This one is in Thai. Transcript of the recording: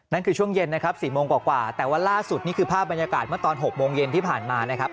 คือช่วงเย็นนะครับ๔โมงกว่าแต่ว่าล่าสุดนี่คือภาพบรรยากาศเมื่อตอน๖โมงเย็นที่ผ่านมานะครับ